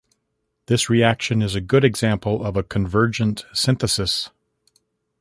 This reaction is a good example of a convergent synthesis.